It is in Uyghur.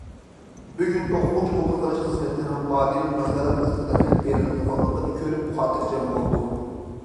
بۈگۈن ئوقۇغۇچى قوبۇل قىلىش خىزمىتىنىڭ ئادىل، نازارەت ئاستىدا ئېلىپ بېرىلىدىغانلىقىنى كۆرۈپ، خاتىرجەم بولدۇم.